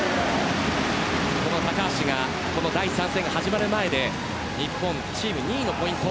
高橋が第３戦が始まる前に日本チーム２位のポイント。